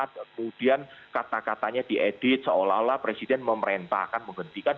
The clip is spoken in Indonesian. kemudian kata katanya diedit seolah olah presiden memerintahkan menghentikan